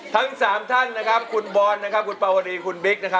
ทั้ง๓ท่านนะครับคุณบอลคุณปราวดิคุณบิ๊ก